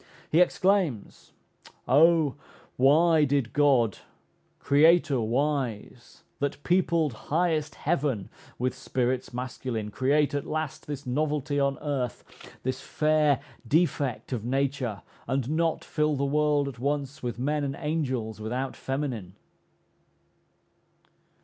He exclaims, "O why did God, Creator wise, that peopled highest Heaven With spirits masculine, create at last This novelty on earth, this fair defect Of nature, and not fill the world at once With men and angels without feminine?"